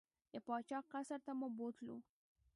د پاچا قصر ته مو بوتلو.